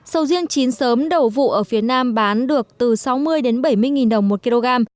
sầu riêng chín sớm đầu vụ ở phía nam bán được từ sáu mươi đến bảy mươi đồng một kg